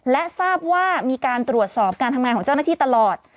และทราบว่ามีการตรวจสอบการทำงานของเจ้าหน้าที่ตลอด